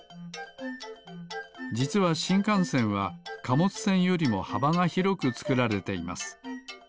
じつはしんかんせんはかもつせんよりもはばがひろくつくられています。